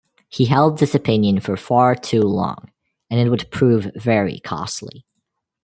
He held this opinion for far too long and it would prove very costly.